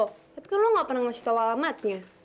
tapi kan lo gak pernah ngasih tau alamatnya